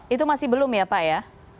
itu masih belum ya pak ya